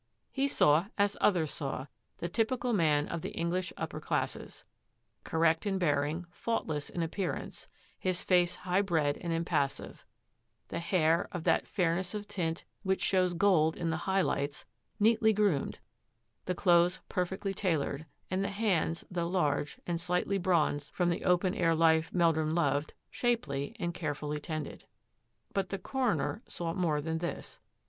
He saw, as others saw, the typical man of the English upper classes — correct in bearing; faultless in appearance; his face high bred and impassive; the hair, of that fairness of tint which shows gold in the high lights, neatly groomed ; the clothes perfectly tailored; and the hands, though large, and slightly bronzed from the open air life Meldrum loved, shapely and carefully tended. But the coroner saw more than this.